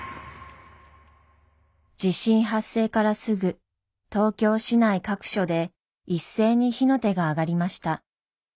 地震発生からすぐ東京市内各所で一斉に火の手が上がりました。